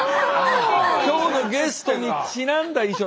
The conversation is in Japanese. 今日のゲストにちなんだ衣装。